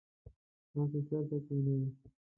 تاسو چیرته کښېنئ؟